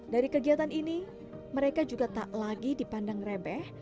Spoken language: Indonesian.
dari kegiatan ini mereka juga tak lagi dipandang rebeh